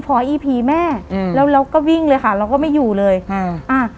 พออีผีแม่อืมแล้วเราก็วิ่งเลยค่ะเราก็ไม่อยู่เลยอ่าอ่า